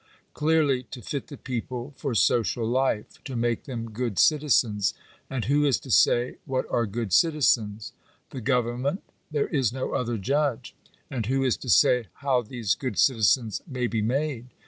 Clearly to fit the people for social life — to make them good citizens. And who is to say what are good citizens ? The government : there is no other judge. And who is to say how these good citizens may be made?